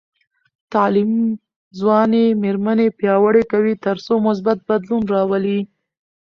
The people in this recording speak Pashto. تعلیم ځوانې میرمنې پیاوړې کوي تر څو مثبت بدلون راولي.